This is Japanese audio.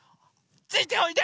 ついておいで！